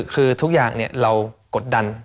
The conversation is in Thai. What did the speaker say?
คือทุกอย่างเรากดดัน